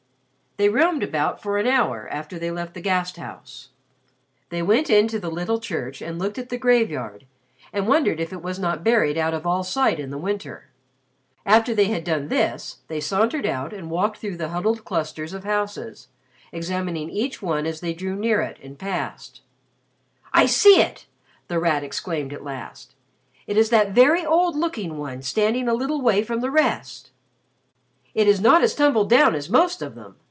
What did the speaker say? They roamed about for an hour after they left the Gasthaus. They went into the little church and looked at the graveyard and wondered if it was not buried out of all sight in the winter. After they had done this, they sauntered out and walked through the huddled clusters of houses, examining each one as they drew near it and passed. "I see it!" The Rat exclaimed at last. "It is that very old looking one standing a little way from the rest. It is not as tumbled down as most of them.